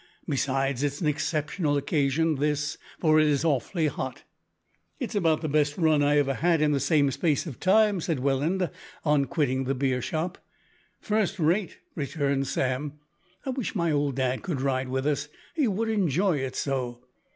Besides, it's an exceptional occasion this, for it is awfully hot." "It's about the best run I ever had in the same space of time," said Welland on quitting the beer shop. "First rate," returned Sam, "I wish my old dad could ride with us. He would enjoy it so."